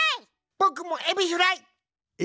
ぼくもエビフライ！え？